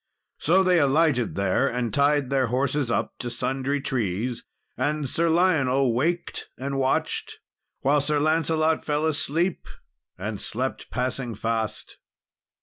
So they alighted there, and tied their horses up to sundry trees; and Sir Lionel waked and watched while Sir Lancelot fell asleep, and slept passing fast.